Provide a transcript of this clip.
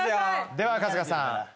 では春日さん